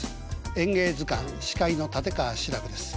「演芸図鑑」司会の立川志らくです。